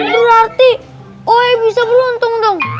berarti oh bisa beruntung dong